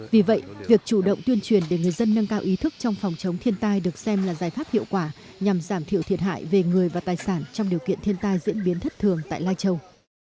vì vậy việc chủ động tuyên truyền để người dân nâng cao ý thức trong phòng chống thiên tai được xem là giải pháp hiệu quả nhằm giảm thiểu thiệt hại về người và tài sản trong điều kiện thiên tai diễn biến thất thường tại lai châu